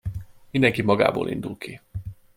Mindenki magából indul ki.